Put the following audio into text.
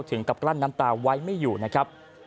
ถึงกับกลั้นน้ำตาไว้ไม่อยู่นะครับ